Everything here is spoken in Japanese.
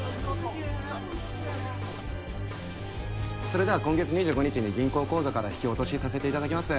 それでは今月２５日に銀行口座から引き落としさせていただきます。